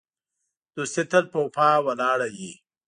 دوستي تل په وفا ولاړه وي.